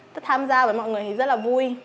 tham gia với mọi người thì rất là vui